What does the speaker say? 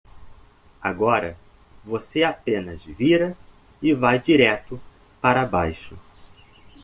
Agora você apenas vira e vai direto para baixo.